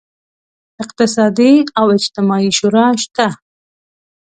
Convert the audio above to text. اقتصادي او اجتماعي شورا شته.